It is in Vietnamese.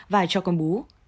vài cho công bố